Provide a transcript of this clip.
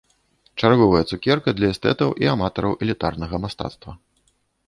Чарговая цукерка для эстэтаў і аматараў элітарнага мастацтва.